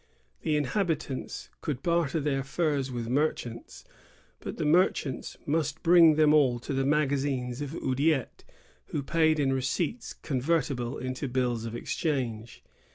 The inhabitants could barter their furs with merchants ; but the mer chants must bring them all to ' the magazines of Oudiette, who paid in receipts convertible into bills of exchange.